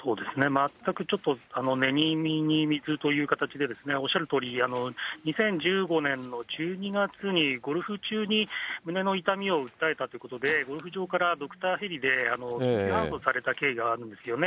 全くちょっと寝耳に水という形で、おっしゃるとおり、２０１５年の１２月に、ゴルフ中に胸の痛みを訴えたということで、ゴルフ場からドクターヘリで緊急搬送された経緯があるんですよね。